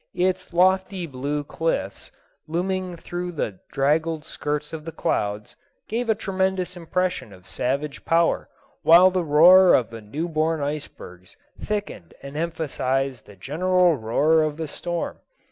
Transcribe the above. Its lofty blue cliffs, looming through the draggled skirts of the clouds, gave a tremendous impression of savage power, while the roar of the newborn icebergs thickened and emphasized the general roar of the storm.